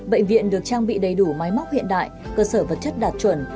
bệnh viện được trang bị đầy đủ máy móc hiện đại cơ sở vật chất đạt chuẩn